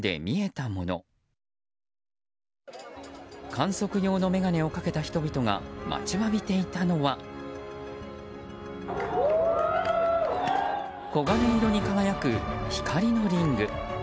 観測用の眼鏡をかけた人々が待ちわびていたのは黄金色に輝く光のリング。